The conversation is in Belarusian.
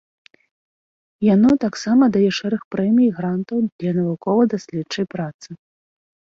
Яно таксама дае шэраг прэмій і грантаў для навукова-даследчай працы.